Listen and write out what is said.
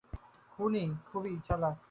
খুনি খুবই চালাক।